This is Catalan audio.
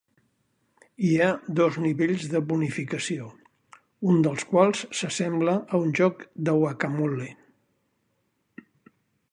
Hi ha dos nivells de bonificació, un dels quals s'assembla a un joc de Whac-A-Mole.